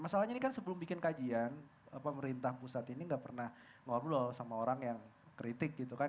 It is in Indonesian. masalahnya ini kan sebelum bikin kajian pemerintah pusat ini nggak pernah ngobrol sama orang yang kritik gitu kan